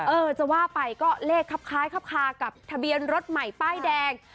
เออจะว่าไปก็เลขคับคล้ายคับคากับทะเบียนรถใหม่ป้ายแดง